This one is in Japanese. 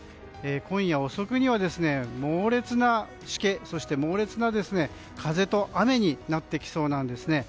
今夜遅くには、猛烈なしけそして、猛烈な風と雨になってきそうなんです。